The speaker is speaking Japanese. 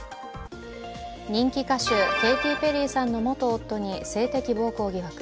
人気歌手、ケイティ・ペリーさんの元夫に性的暴行疑惑。